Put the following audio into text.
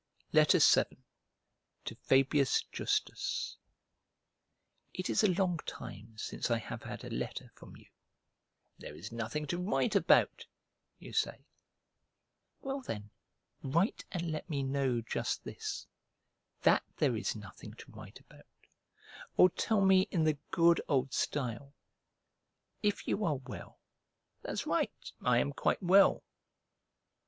VII To FABIUS JUSTUS IT is a long time since I have had a letter from you, "There is nothing to write about," you say: well then write and let me know just this, that "there is nothing to write about," or tell me in the good old style, If you are well that's right, I am quite well.